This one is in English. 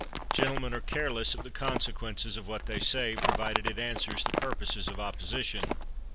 Gentlemen are careless of the consequences of what they say, provided it answers the purposes of opposition.